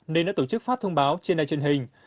nên đã tổ chức phát thông báo trên đài truyền hình